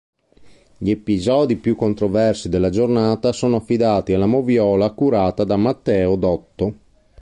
Gli episodi più controversi della giornata sono affidati alla moviola curata da Matteo Dotto.